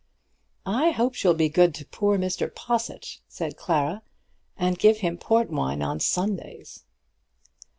"I hope she'll be good to poor Mr. Possit," said Clara, "and give him port wine on Sundays."